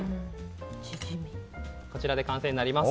こちらで完成になります。